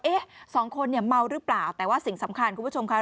สองคนเนี่ยเมาหรือเปล่าแต่ว่าสิ่งสำคัญคุณผู้ชมค่ะ